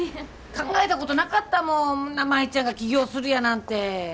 考えたことなかったもん舞ちゃんが起業するやなんて。